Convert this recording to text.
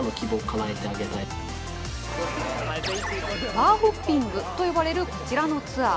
バーホッピングと呼ばれるこちらのツアー。